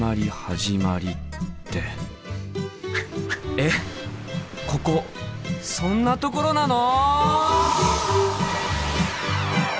えっここそんなところなの！？